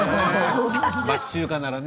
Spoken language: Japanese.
町中華ならね。